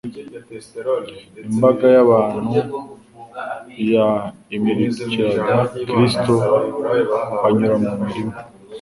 Imbaga y'abantu yalmrikiraga Kristo banyura mu mirima